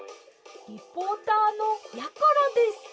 リポーターのやころです！